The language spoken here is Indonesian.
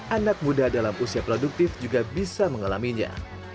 anak muda dalam usia produktif juga bisa mengalaminya